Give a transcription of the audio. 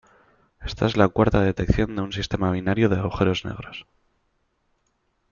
Esta es la cuarta detección de un sistema binario de agujeros negros.